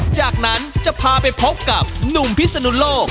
จากนั้นจะพาไปพบกับหนุ่มพิศนุโลก